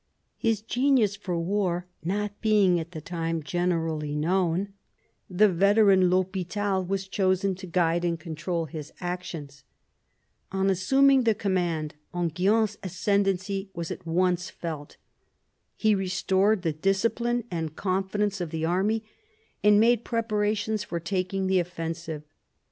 His genius for war not being at the time generally known, the veteran THdpital was chosen to guide and control his actions. On assuming the command, Enghien's ascendency was at once felt. He restored the discipline and confidence of the army and made preparations for taking the offensive.